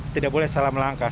tidak boleh salah melangkah